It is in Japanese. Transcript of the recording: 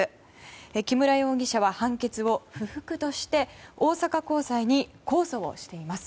木村容疑者は判決を不服として大阪高裁に控訴をしています。